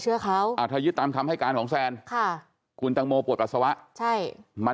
เชื่อเขาถ้ายึดตามคำให้การของแซนค่ะคุณตังโมปวดปัสสาวะใช่มัน